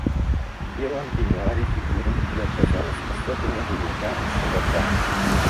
В белом пенюаре фигура ее казалась особенно велика и широка.